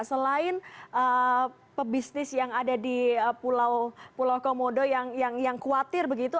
selain pebisnis yang ada di pulau komodo yang khawatir begitu